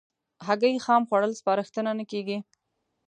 هګۍ خام خوړل سپارښتنه نه کېږي.